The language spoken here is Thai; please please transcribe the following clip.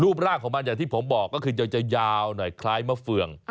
ร่างของมันอย่างที่ผมบอกก็คือจะยาวหน่อยคล้ายมะเฟือง